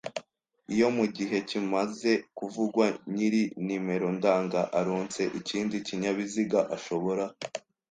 Iyo mu gihe kimaze kuvugwa ny iri nimero ndanga aronse ikindi kinyabiziga ashobora